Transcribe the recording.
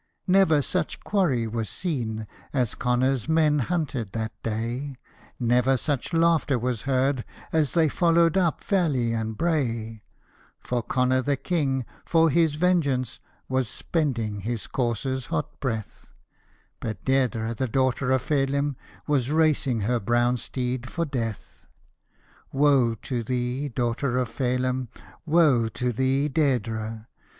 Never such quarry was seen as Connor's men hunted that day, Never such laughter was heard as they followed up valley and brae, For Connor the King for his vengeance was spending his courser's hot breath, But Deirdre, the daughter of Feihm, was racing her brown steed for Death. Woe to thee, daughter of Feilim ! woe to thee, Deirdre